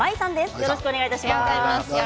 よろしくお願いします。